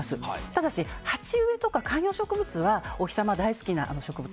ただし、鉢植えとか観葉植物はお日様大好きな植物